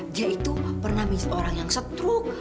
dia itu pernah pijat orang yang setruk